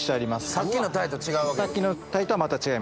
さっきの鯛と違う。